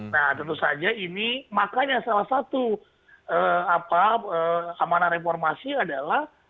nah tentu saja ini makanya salah satu amanah reformasi adalah